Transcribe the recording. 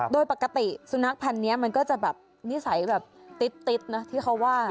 โดยปกติสุนัขพันธ์นี้มันก็จะแบบนิสัยแบบติ๊ดนะที่เขาว่า